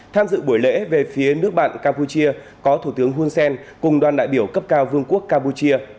tham dự buổi lễ về phía nước bạn campuchia có thủ tướng hun sen cùng đoàn đại biểu cấp cao vương quốc campuchia